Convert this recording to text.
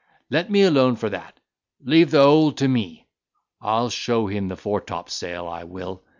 Let me alone for that—leave the whole to me. I'll show him the foretopsail, I will.